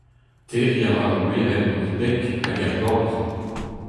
Terriñ a ra ur werenn gant he beg, hag er gambr.